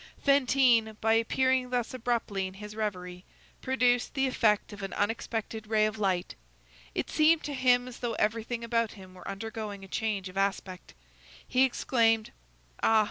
Fantine, by appearing thus abruptly in his reverie, produced the effect of an unexpected ray of light; it seemed to him as though everything about him were undergoing a change of aspect: he exclaimed:— "Ah!